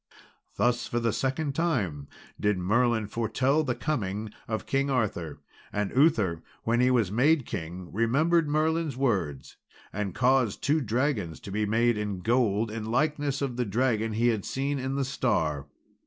Thus, for the second time, did Merlin foretell the coming of King Arthur. And Uther, when he was made king, remembered Merlin's words, and caused two dragons to be made in gold, in likeness of the dragon he had seen in the star.